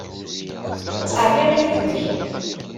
Sseqɛed tiɣimit-nnek.